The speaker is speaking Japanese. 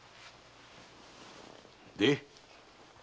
で？